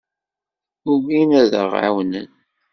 Ugin ad aɣ-ɛawnen.